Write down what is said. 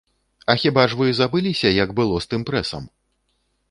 А хіба ж вы забыліся, як было з тым прэсам?